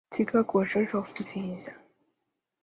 齐克果深受父亲影响。